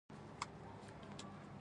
عينکي په نهيلۍ سر وڅنډه.